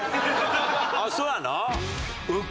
あっそうなの？